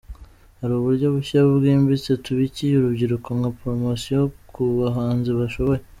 Hari uburyo bushya bwimbitse tubikiye urubyiruko, nka ‘promotion’ ku bahanzi bashoboye”.